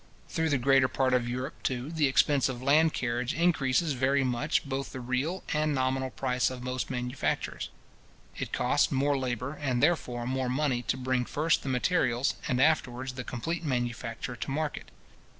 Through the greater part of Europe, too, the expense of land carriage increases very much both the real and nominal price of most manufactures. It costs more labour, and therefore more money, to bring first the materials, and afterwards the complete manufacture to market.